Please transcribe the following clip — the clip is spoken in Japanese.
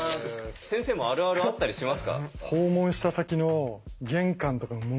先生もあるあるあったりしますか？